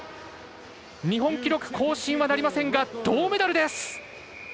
日本記録更新はなりませんが銅メダルです。